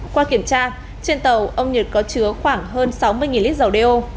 qua kiểm tra trên tàu ông nhật có chứa khoảng hơn sáu mươi lít dầu đeo